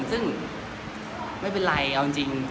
ซึ่งไม่เป็นไรเอาจริง